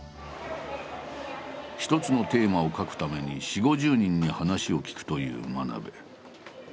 １つのテーマを描くために４０５０人に話を聞くという真鍋。